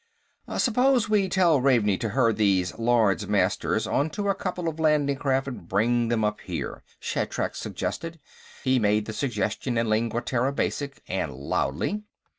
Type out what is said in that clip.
"Suppose we tell Ravney to herd these Lords Master onto a couple of landing craft and bring them up here?" Shatrak suggested. He made the suggestion in Lingua Terra Basic, and loudly.